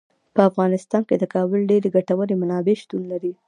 په افغانستان کې د کابل ډیرې ګټورې منابع شتون لري.